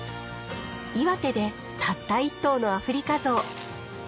岩手でたった一頭のアフリカゾウ。